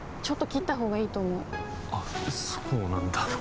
ちょっと切ったほうがいいと思うあっそうなんだ